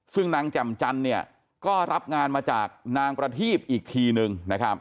ซึ่งนางแจ่มจันทร์ก็รับงานมาจากนางประทีบอีกทีนึง